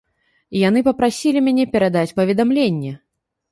І яны папрасілі мяне перадаць паведамленне.